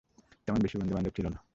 তেমন বেশী বন্ধু-বান্ধব ছিলো না।